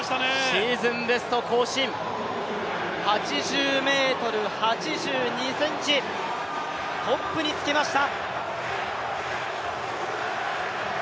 シーズンベスト更新、８０ｍ８２ｃｍ、トップにつけました。